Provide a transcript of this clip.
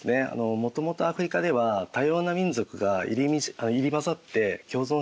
もともとアフリカでは多様な民族が入り混ざって共存していました。